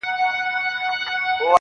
• هلته پاس چي په سپوږمـۍ كــي.